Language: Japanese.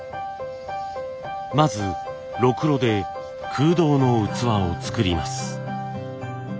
まずろくろで空洞の器を作ります。